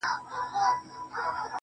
قاتل ژوندی دی، مړ یې وجدان دی.